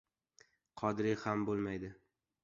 — Qodiriy ham bo‘lmaydi!